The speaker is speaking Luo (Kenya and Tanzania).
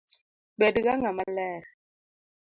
Bed ga ng’ama ler